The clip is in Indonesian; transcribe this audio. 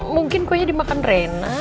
mungkin kuenya dimakan reina